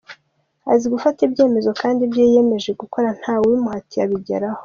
Azi gufata ibyemezo, kandi ibyo yiyemeje gukora ntawe ubimuhatiye abigeraho.